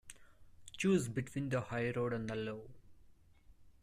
Choose between the high road and the low.